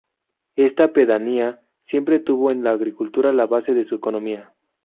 Esta pedanía siempre tuvo en la agricultura la base de su economía.